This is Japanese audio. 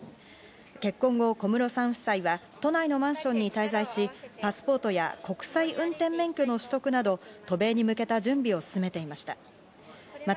結婚後、小室さん夫妻は都内のマンションに滞在し、パスポートや国際運転免許の取得など渡米に向けた準備を進めていました。